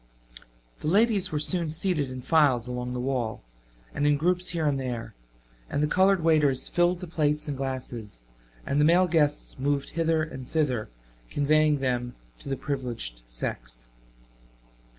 The ladies were soon seated in files along the wall, and in groups here and there, and the colored waiters filled the plates and glasses and the male guests moved hither and thither conveying them to the privileged sex.